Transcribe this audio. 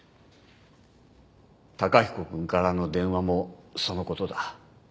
崇彦くんからの電話もその事だ。